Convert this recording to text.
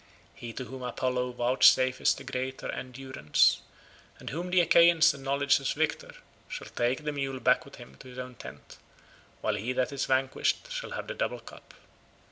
He to whom Apollo vouchsafes the greater endurance, and whom the Achaeans acknowledge as victor, shall take the mule back with him to his own tent, while he that is vanquished shall have the double cup."